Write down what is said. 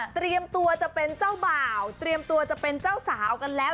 เตรียมตัวจะเป็นเจ้าบ่าวเตรียมตัวจะเป็นเจ้าสาวกันแล้ว